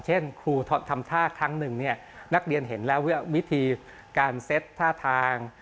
เช่นครูทำท่าครั้งหนึ่งนักเรียนเห็นแล้ววิธีการเซ็ตท่าทาง